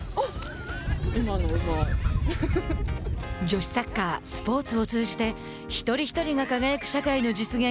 女子サッカースポーツを通じて一人一人が輝く社会の実現